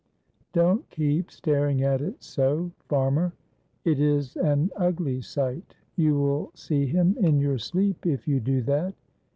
"DON'T keep staring at it so, farmer, it is an ugly sight. You will see him in your sleep if you do that.